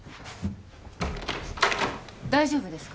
大丈夫ですか！？